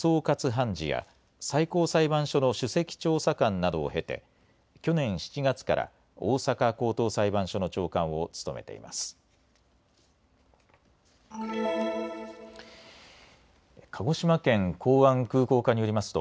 判事や最高裁判所の首席調査官などを経て去年７月から大阪高等裁判所の長官を務めています。